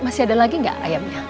masih ada lagi nggak ayamnya